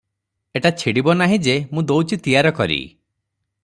ଏଟା ଛିଡ଼ିବ ନାହିଁ ଯେ- ମୁଁ ଦଉଚି ତିଆର କରି ।"